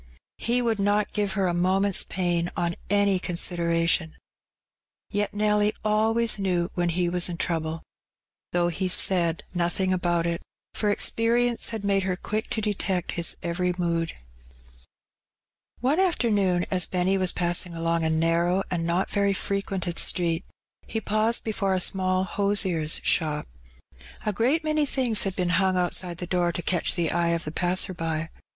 He would not give her a moment's pain on any consideration. Yet Nelly always knew when he was in trouble, though he said 88 Heb Benny. nothing about it; for experience had made her quick to detect his every mood. One afternoon^ as Benny was passing along a narrow and not very frequented street^ he paused before a small hosier^s shop. A great many things had been hung out side the door to catch the eye of the passer by.